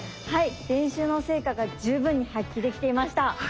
練習の成果が十分に発揮できていました。